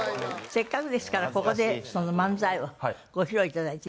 せっかくですからここでその漫才をご披露頂いて。